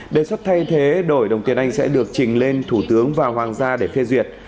đề xuất thay thế đổi đồng tiền anh sẽ được trình lên thủ tướng và hoàng gia để phê duyệt